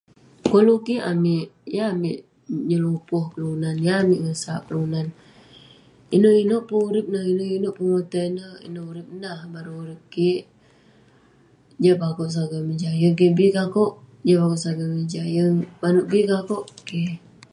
Koluk bih amik yeng amik nyelupoh kelunan yeng amik ngesat kelunan inuek-inuek peh urip inuek-inuek kotai neh ineh urip nah bareng urip kik jiak peh akuek sagam langit jah yeng keh bi ke akuek yeng sagam langit jah yeng manuk bi ke akuek